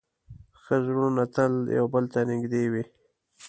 ښه زړونه تل یو بل ته نږدې وي.